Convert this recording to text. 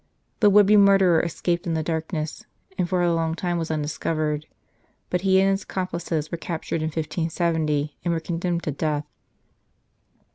The would be murderer escaped in the darkness, and for a long time was undiscovered, but he and his accomplices were captured in 1570, and were condemned to death.